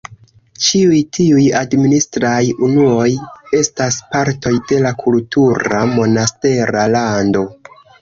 Ĉiuj tiuj administraj unuoj estas partoj de la kultura Monastera Lando.